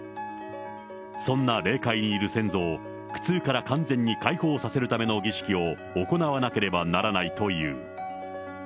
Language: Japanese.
そんな霊界にいる先祖を、苦痛から完全に解放させるための儀式を行わなければならないという。